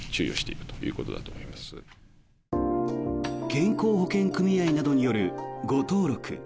健康保険組合などによる誤登録。